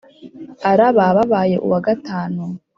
araba babaye uwa gatanu